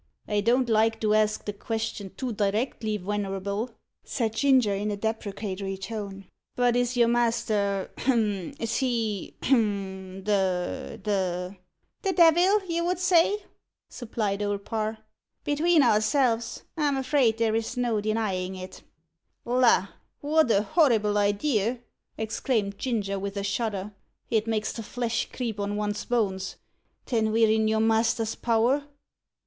"I don't like to ask the question too directly, wenerable," said Ginger, in a deprecatory tone "but is your master hem! is he hem! the the " "The devil, you would say," supplied Old Parr. "Between ourselves, I'm afraid there's no denying it." "La! wot a horrible idea!" exclaimed Ginger, with a shudder; "it makes the flesh creep on one's bones. Then we're in your master's power?"